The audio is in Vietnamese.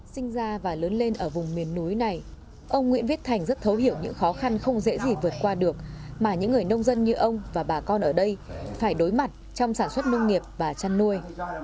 sinh ra và lớn lên ở vùng miền núi này ông nguyễn viết thành rất thấu hiểu những khó khăn không dễ gì vượt qua được mà những người nông dân như ông và bà con ở đây phải đối mặt trong sản xuất nông nghiệp và chăn nuôi